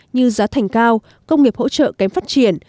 như giá thành cao công nghiệp hỗ trợ kém phát triển